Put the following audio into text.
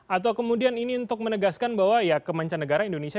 atau kemudian ini untuk menegaskan bahwa ya kemancanegara indonesia